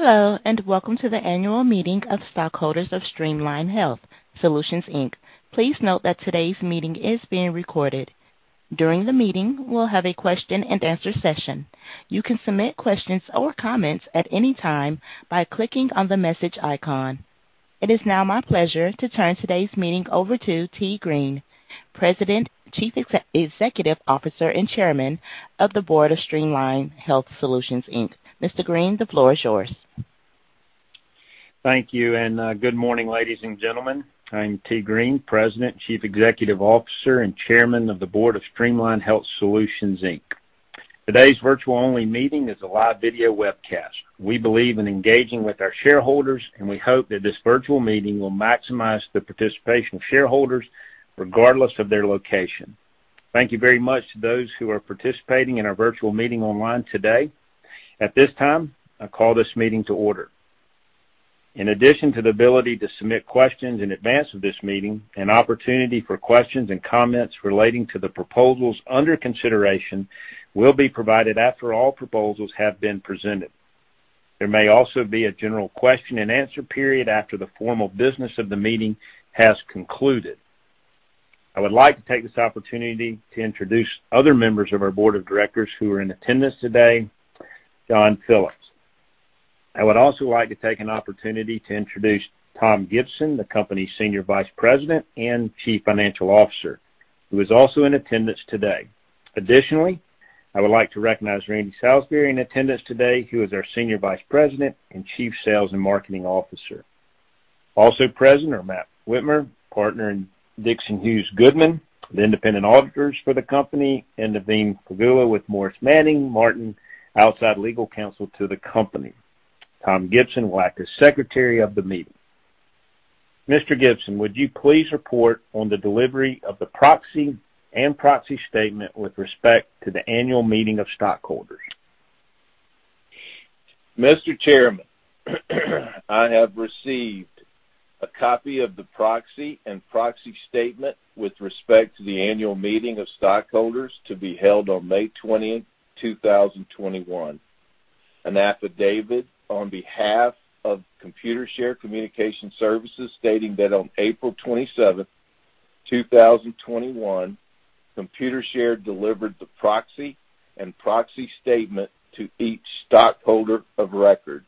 Hello, welcome to the annual meeting of stockholders of Streamline Health Solutions Inc. Please note that today's meeting is being recorded. During the meeting, we'll have a question-and-answer session. You can submit questions or comments at any time by clicking on the message icon. It is now my pleasure to turn today's meeting over to Tee Green, President, Chief Executive Officer, and Chairman of the Board of Streamline Health Solutions Inc. Mr. Green, the floor is yours. Thank you. Good morning, ladies and gentlemen. I'm Tee Green, President, Chief Executive Officer, and Chairman of the Board of Streamline Health Solutions Inc. Today's virtual-only meeting is a live video webcast. We believe in engaging with our shareholders. We hope that this virtual meeting will maximize the participation of shareholders regardless of their location. Thank you very much to those who are participating in our virtual meeting online today. At this time, I call this meeting to order. In addition to the ability to submit questions in advance of this meeting, an opportunity for questions and comments relating to the proposals under consideration will be provided after all proposals have been presented. There may also be a general question and answer period after the formal business of the meeting has concluded. I would like to take this opportunity to introduce other members of our Board of Directors who are in attendance today, Jonathan Phillips. I would also like to take an opportunity to introduce Tom Gibson, the Company's Senior Vice President and Chief Financial Officer, who is also in attendance today. Additionally, I would like to recognize Randy Salisbury in attendance today, who is our Senior Vice President and Chief Sales and Marketing Officer. Also present are Matt Whitmire, partner in Dixon Hughes Goodman, the independent auditors for the Company, and Naveen Khavila with Morris, Manning & Martin, outside legal counsel to the Company. Tom Gibson will act as secretary of the meeting. Mr. Gibson, would you please report on the delivery of the proxy and proxy statement with respect to the annual meeting of stockholders? Mr. Chairman, I have received a copy of the proxy and proxy statement with respect to the annual meeting of stockholders to be held on May 20th, 2021. An affidavit on behalf of Computershare Communication Services stating that on April 27th, 2021, Computershare delivered the proxy and proxy statement to each stockholder of record,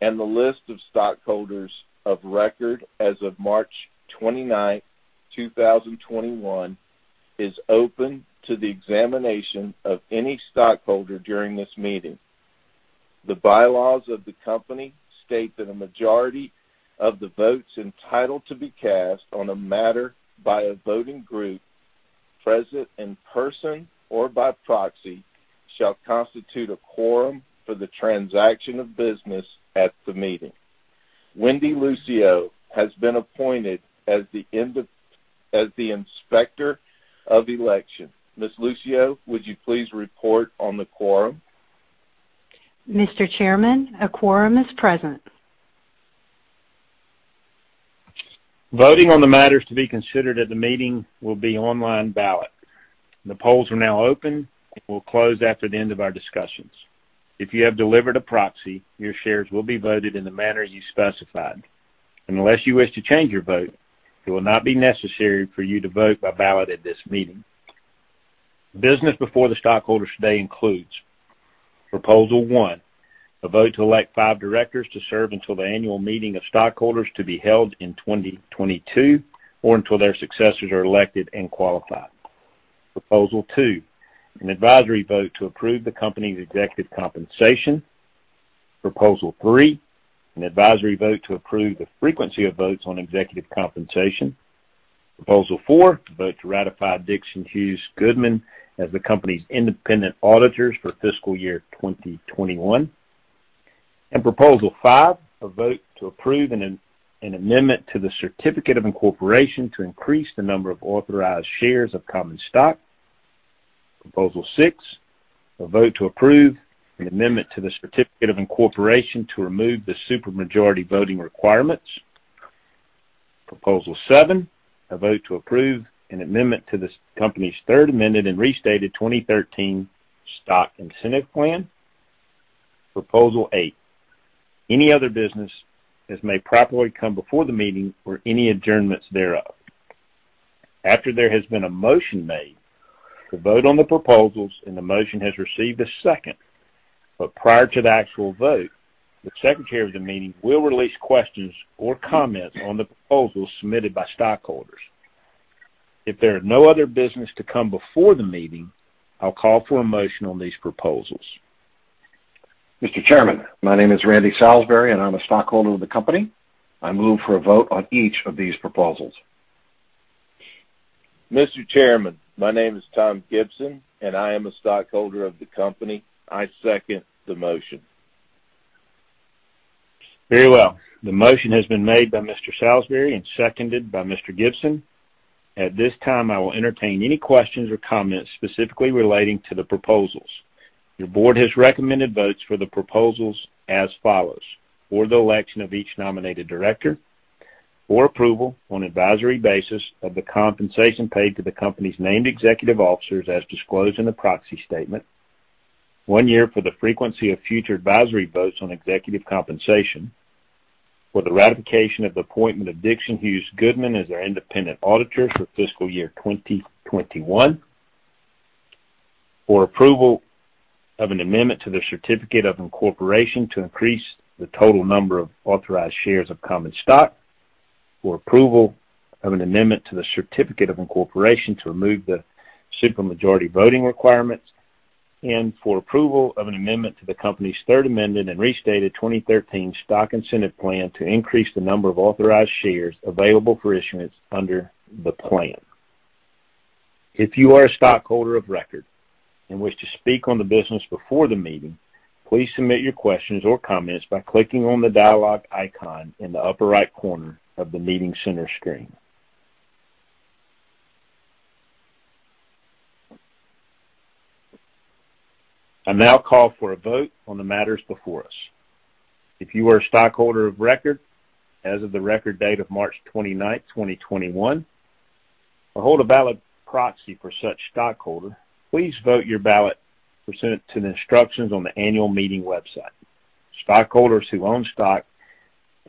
and the list of stockholders of record as of March 29th, 2021, is open to the examination of any stockholder during this meeting. The bylaws of the company state that a majority of the votes entitled to be cast on a matter by a voting group, present in person or by proxy, shall constitute a quorum for the transaction of business at the meeting. Wendy Lucio has been appointed as the inspector of election. Ms. Lucio, would you please report on the quorum? Mr. Chairman, a quorum is present. Voting on the matters to be considered at the meeting will be online ballot. The polls are now open and will close after the end of our discussions. If you have delivered a proxy, your shares will be voted in the manner you specified. Unless you wish to change your vote, it will not be necessary for you to vote by ballot at this meeting. The business before the stockholders today includes proposal one, a vote to elect five directors to serve until the annual meeting of stockholders to be held in 2022 or until their successors are elected and qualified. Proposal two, an advisory vote to approve the company's executive compensation. Proposal three, an advisory vote to approve the frequency of votes on executive compensation. Proposal four, a vote to ratify Dixon Hughes Goodman as the company's independent auditors for fiscal year 2021. Proposal 5, a vote to approve an amendment to the Certificate of Incorporation to increase the number of authorized shares of common stock. Proposal 6, a vote to approve an amendment to the Certificate of Incorporation to remove the supermajority voting requirements. Proposal 7, a vote to approve an amendment to the company's third amended and restated 2013 Stock Incentive Plan. Proposal 8, any other business as may properly come before the meeting or any adjournments thereof. After there has been a motion made to vote on the proposals and the motion has received a second, but prior to the actual vote, the secretary of the meeting will release questions or comments on the proposals submitted by stockholders. If there is no other business to come before the meeting, I'll call for a motion on these proposals. Mr. Chairman, my name is Randy Salisbury, and I'm a stockholder of the company. I move for a vote on each of these proposals. Mr. Chairman, my name is Tom Gibson, and I am a stockholder of the company. I second the motion. Very well. The motion has been made by Mr. Salisbury and seconded by Mr. Gibson. At this time, I will entertain any questions or comments specifically relating to the proposals. Your board has recommended votes for the proposals as follows. For the election of each nominated director. For approval on advisory basis of the compensation paid to the company's named executive officers as disclosed in the proxy statement. One year for the frequency of future advisory votes on executive compensation. For the ratification of appointment of Dixon Hughes Goodman as our independent auditors for fiscal year 2021. For approval of an amendment to the Certificate of Incorporation to increase the total number of authorized shares of common stock. For approval of an amendment to the Certificate of Incorporation to remove the super majority voting requirements. For approval of an amendment to the company's Third Amended and Restated 2013 Stock Incentive Plan to increase the number of authorized shares available for issuance under the plan. If you are a stockholder of record and wish to speak on the business before the meeting, please submit your questions or comments by clicking on the dialogue icon in the upper right corner of the meeting center screen. I now call for a vote on the matters before us. If you are a stockholder of record as of the record date of March 29th, 2021, or hold a valid proxy for such stockholder, please vote your ballot pursuant to the instructions on the annual meeting website. Stockholders who own stock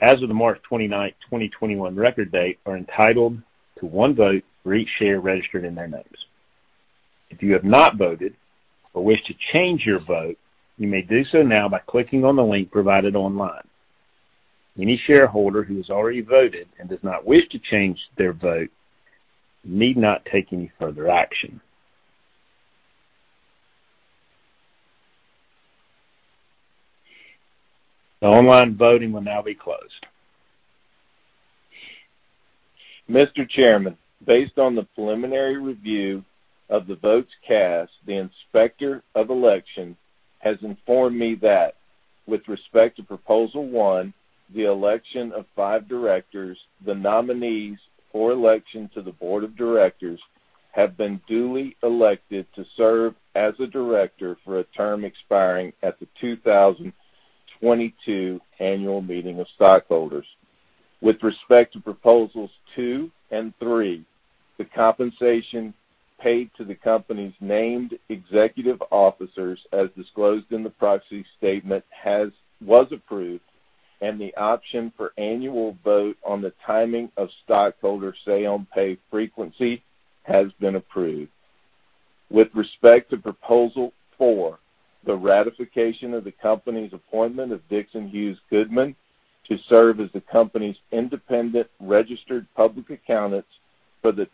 as of the March 29th, 2021 record date are entitled to one vote for each share registered in their names. If you have not voted or wish to change your vote, you may do so now by clicking on the link provided online. Any shareholder who has already voted and does not wish to change their vote need not take any further action. The online voting will now be closed. Mr. Chairman, based on the preliminary review of the votes cast, the Inspector of Elections has informed me that with respect to Proposal One, the election of five directors, the nominees for election to the board of directors have been duly elected to serve as a director for a term expiring at the 2022 Annual Meeting of Stockholders. With respect to Proposals Two and Three, the compensation paid to the company's named executive officers as disclosed in the proxy statement was approved, and the option for annual vote on the timing of stockholder say on pay frequency has been approved. With respect to Proposal Four, the ratification of the company's appointment of Dixon Hughes Goodman to serve as the company's independent registered public accountants for the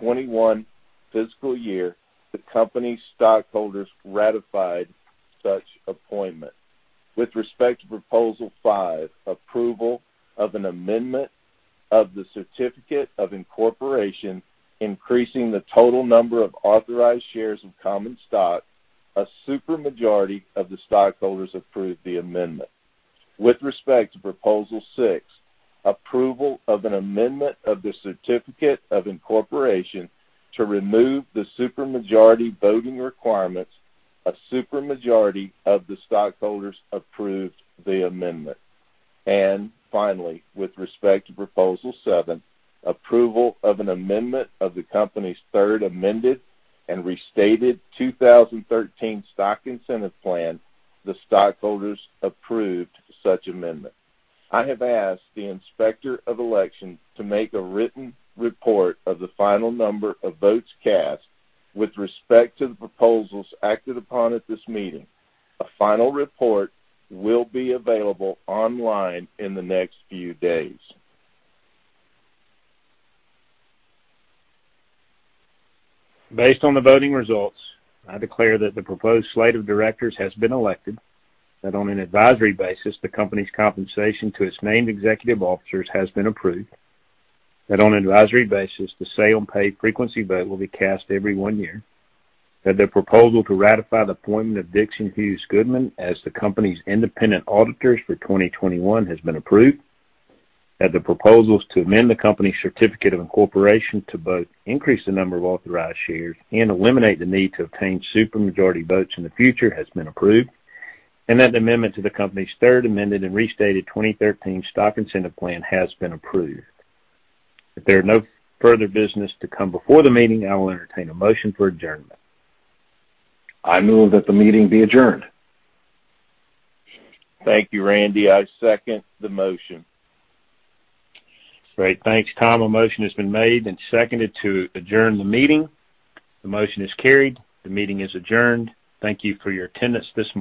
2021 fiscal year, the company stockholders ratified such appointment. With respect to Proposal Five, approval of an amendment of the Certificate of Incorporation, increasing the total number of authorized shares of common stock, a super majority of the stockholders approved the amendment. With respect to Proposal Six, approval of an amendment of the Certificate of Incorporation to remove the super majority voting requirements, a super majority of the stockholders approved the amendment. Finally, with respect to Proposal Seven, approval of an amendment of the company's Third Amended and Restated 2013 Stock Incentive Plan, the stockholders approved such amendment. I have asked the Inspector of Election to make a written report of the final number of votes cast with respect to the proposals acted upon at this meeting. A final report will be available online in the next few days. Based on the voting results, I declare that the proposed slate of directors has been elected. That on an advisory basis, the company's compensation to its named executive officers has been approved. That on an advisory basis, the say on pay frequency vote will be cast every one year. That the proposal to ratify the appointment of Dixon Hughes Goodman as the company's independent auditors for 2021 has been approved. That the proposals to amend the company's Certificate of Incorporation to both increase the number of authorized shares and eliminate the need to obtain super majority votes in the future has been approved. That the amendment to the company's Third Amended and Restated 2013 Stock Incentive Plan has been approved. If there are no further business to come before the meeting, I will entertain a motion for adjournment. I move that the meeting be adjourned. Thank you, Randy. I second the motion. Great. Thanks, Tom. A motion has been made and seconded to adjourn the meeting. The motion is carried. The meeting is adjourned. Thank you for your attendance this morning